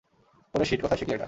ওরে শিট, কোথায় শিখলে এটা?